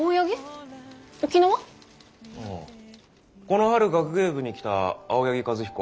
この春学芸部に来た青柳和彦。